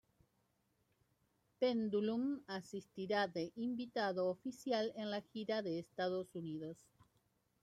Pendulum asistirá de invitado oficial en la gira de Estados Unidos.